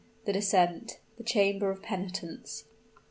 THE DESCENT THE CHAMBER OF PENITENCE.